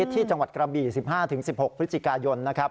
ที่จังหวัดกระบี่๑๕๑๖พฤศจิกายนนะครับ